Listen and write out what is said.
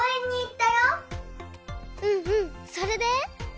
うんうんそれで？